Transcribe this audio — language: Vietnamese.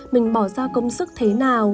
mình bỏ ra công sức thế nào